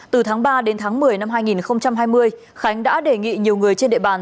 từ tháng ba đến tháng một mươi năm hai nghìn hai mươi khánh đã đề nghị nhiều người trên địa bàn